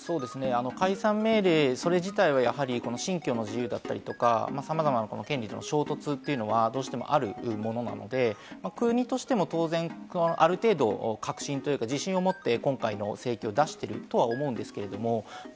解散命令、それ自体はやはり信教の自由だったりとか、さまざまな権利の衝突というのは、どうしてもあると思うので、国としても当然ある程度、確信というか自信を持って今回の請求を出していると思うんですけれども。